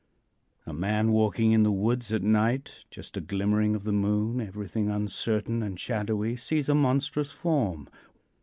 A man walking in the woods at night just a glimmering of the moon everything uncertain and shadowy sees a monstrous form.